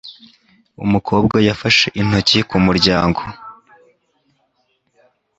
Umukobwa yafashe intoki mu muryango.